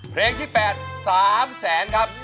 เพลงที่๘๓แสนครับ